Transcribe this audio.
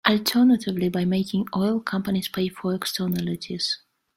Alternatively, by making oil companies pay for externalities.